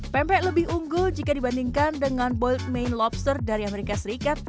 pempek lebih unggul jika dibandingkan dengan boyne lobster dari amerika serikat